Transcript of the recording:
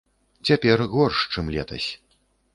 Цяпер горш, чым летась.